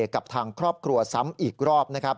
กับทางครอบครัวซ้ำอีกรอบนะครับ